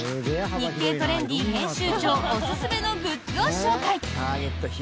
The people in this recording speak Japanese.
「日経トレンディ」編集長おすすめのグッズを紹介！